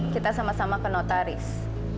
kita sama sama ke notaris